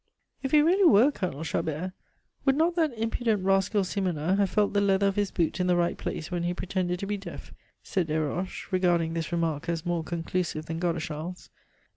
"If he really were Colonel Chabert, would not that impudent rascal Simonnin have felt the leather of his boot in the right place when he pretended to be deaf?" said Desroches, regarding this remark as more conclusive than Godeschal's.